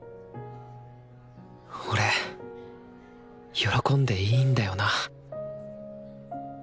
俺喜んでいいんだよな